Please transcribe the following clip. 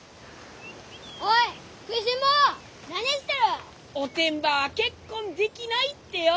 おてんばは結婚できないってよ！